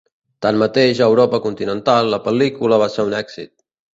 Tanmateix, a Europa continental, la pel·lícula va ser un èxit.